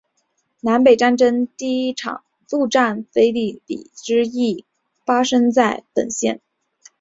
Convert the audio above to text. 南北战争第一场陆战腓立比之役发生在本县。